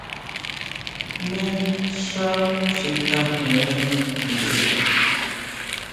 Jmé xá xi tjajeni ntʼe.